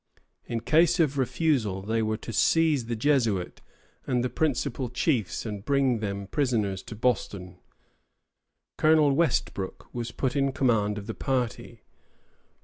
In case of refusal they were to seize the Jesuit and the principal chiefs and bring them prisoners to Boston. Colonel Westbrook was put in command of the party.